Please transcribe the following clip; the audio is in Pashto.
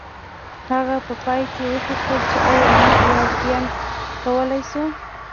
هغه په پای کې وپوښتل چې ایا موږ واقعیا کولی شو